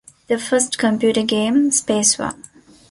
The first computer game, Spacewar!